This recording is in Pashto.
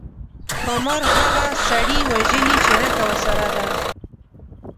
ښامار هغه سړي وژلی چې نخښه ورسره ده.